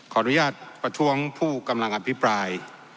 ขออนุญาตประท้วงผู้กำลังอภิปราย